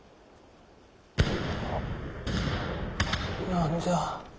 何じゃ？